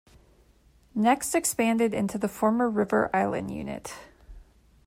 Next expanded into the former River Island Unit.